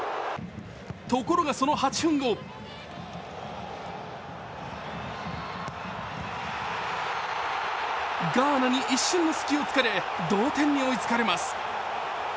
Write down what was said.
ところがその８分後ガーナに一瞬の隙を突かれ同点に追いつかれます。